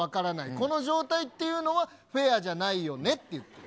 この状態っていうのは、フェアじゃないよねって。